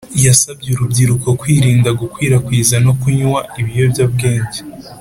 yasabye urubyiruko kwirinda gukwirakwiza no kunywa ibiyobyabwenge